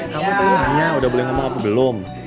kamu tuh nanya udah boleh ngomong apa belum